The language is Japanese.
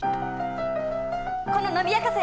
この伸びやかさよ。